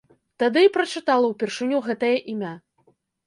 Тады і прачытала ўпершыню гэтае імя.